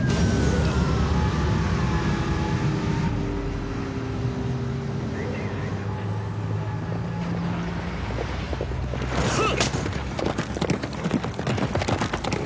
あっ。